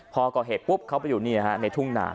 พอก่อเหตุปุ๊บเขาไปอยู่ในทุ่งหนา